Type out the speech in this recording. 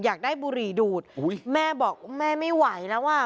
อยากได้บุหรี่ดูดอุ้ยแม่บอกแม่ไม่ไหวแล้วอ่ะ